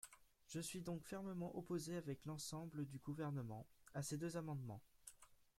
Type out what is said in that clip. Je suis donc fermement opposé, avec l’ensemble du Gouvernement, à ces deux amendements.